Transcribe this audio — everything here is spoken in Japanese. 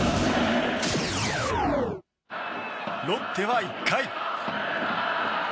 ロッテは１回。